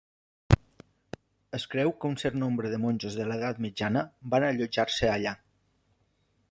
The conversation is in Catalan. Es creu que un cert nombre de monjos a l'Edat Mitjana van allotjar-se allà.